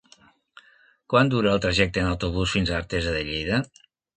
Quant dura el trajecte en autobús fins a Artesa de Lleida?